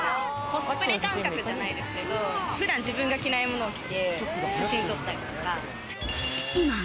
コスプレ感覚じゃないですけど、普段自分が着ないものを着て写真撮ったりとか。